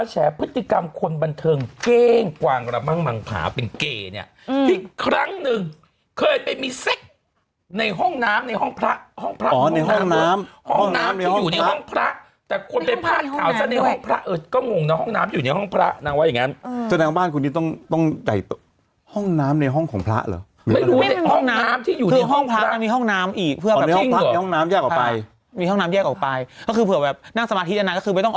แชร์พฤติกรรมคนบันเทิงเก้งกว่างกระมั่งมังขาวเป็นเกย์เนี่ยอืมอีกครั้งหนึ่งเคยไปมีเซ็คในห้องน้ำในห้องพระห้องพระอ๋อในห้องน้ำห้องน้ำอยู่ในห้องพระแต่ควรไปพลาดขาวเส้นในห้องพระเอิดก็งงนะห้องน้ำอยู่ในห้องพระนางว่าอย่างงั้นอืมเจ้าแนนของบ้านคุณนี้ต้องต้องใหญ่ตรงห้องน้ำในห้องของ